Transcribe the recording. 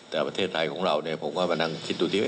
แต่ประเทศไทยของเราเนี่ยผมก็มานั่งคิดดูที่